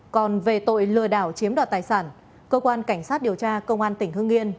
còn về tội lừa đảo chiếm đoạt tài sản cơ quan cảnh sát điều tra công an tỉnh hương yên